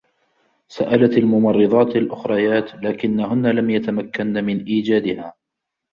سألت الممرّضات الأخريات، لكنّهن لم يتمكّنّ من إيجادها.